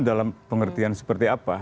dalam pengertian seperti apa